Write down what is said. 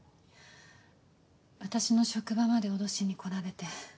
私の職場まで脅しに来られて。